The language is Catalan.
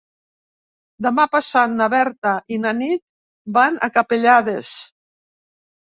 Demà passat na Berta i na Nit van a Capellades.